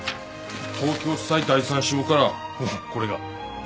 東京地裁第３支部からこれが。